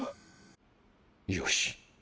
よし。